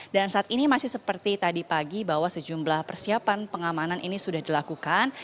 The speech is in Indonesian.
dan saat ini masih seperti tadi pagi bahwa sejumlah persiapan pengamanan ini sudah dilakukan